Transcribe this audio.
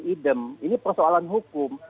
ini persoalan hukum